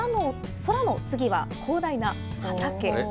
空の次は、広大な畑。